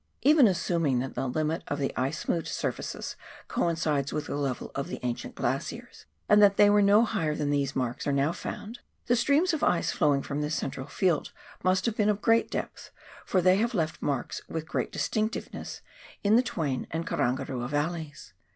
Even assuming that the limit of the ice smoothed surfaces coincides with the level of the ancient glaciers, and that they were no higher than these marks are now found, the streams of ice flowing from this central field must have been of great depth, for they have left their marks with great distinctness in the Twain and Karangarua valleys.